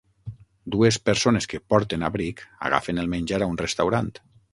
Dues persones que porten abric agafen el menjar a un restaurant.